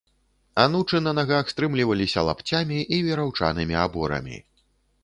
Анучы на нагах стрымліваліся лапцямі і вераўчанымі аборамі.